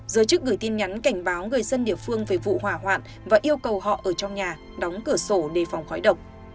giới chức gửi tin nhắn cảnh báo người dân địa phương về vụ hỏa hoạn và yêu cầu họ ở trong nhà đóng cửa sổ đề phòng khói độc